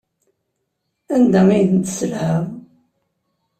Anda ay tent-tesselhaḍ?